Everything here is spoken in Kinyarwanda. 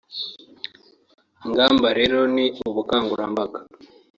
Ingamba rero ni ubukanguramabaga